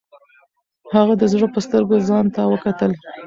هغه د زړه په سترګو ځان ته وکتل.